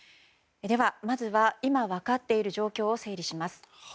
まず今、分かっている状況を整理します。